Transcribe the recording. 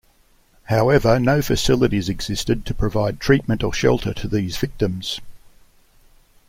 However, no facilities existed to provide treatment or shelter to these victims.